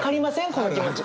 この気持ち。